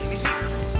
gimana dia lagi